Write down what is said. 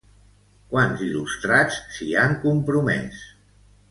Quants il·lustrats s'hi han compromès?